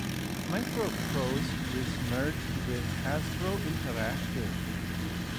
MicroProse was merged with Hasbro Interactive.